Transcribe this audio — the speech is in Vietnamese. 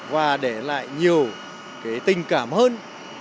và để lại nhiều tình cảm hơn